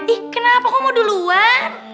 ih kenapa kok mau duluan